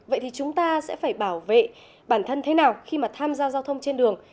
vậy thì chúng ta sẽ phải bảo vệ bản thân thế nào khi mà tham gia giao thông trên đường